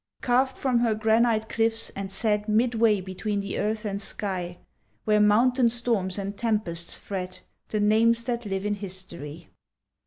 Carved from her granite cliffs and set Midway between the earth and sky, Where mountain storms and tempests fret The names that live in history.